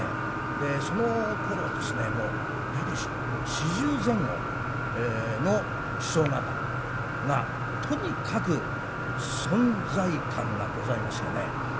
でそのころですねもう大体四十前後の師匠方がとにかく存在感がございましてね。